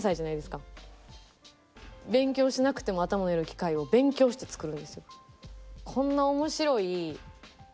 勉強しなくても頭のよくなる機械を勉強して作るんですよ。